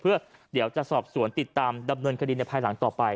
เพื่อเดี๋ยวจะสอบสวนติดตามดำเนินคดีในภายหลังต่อไป